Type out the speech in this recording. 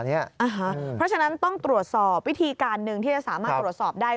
เพราะฉะนั้นต้องตรวจสอบวิธีการหนึ่งที่จะสามารถตรวจสอบได้